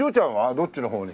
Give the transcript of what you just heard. どっちの方に？